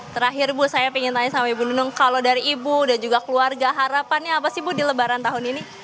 terakhir bu saya ingin tanya sama ibu nunung kalau dari ibu dan juga keluarga harapannya apa sih bu di lebaran tahun ini